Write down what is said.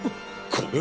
これは。